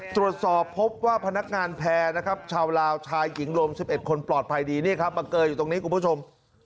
ตรวจสอบพบว่าพนักงานแพร่นะครับชาวลาวชายหญิงรวม๑๑คนปลอดภัยดีนี่ครับมาเกยออยู่ตรงนี้คุณผู้ชม